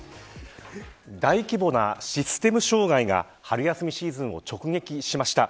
大規模なシステム障害が春休みシーズンを直撃しました。